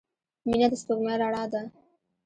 • مینه د سپوږمۍ رڼا ده.